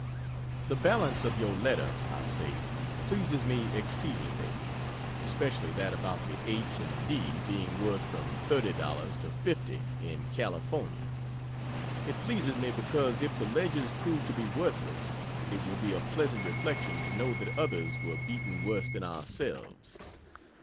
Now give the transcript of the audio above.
The balance of your letter, I say, pleases me exceedingly. Especially that about the H. and D. being worth from $30 to $50 in Cal. It pleases me because, if the ledges prove to be worthless, it will be a pleasant reflection to know that others were beaten worse than ourselves.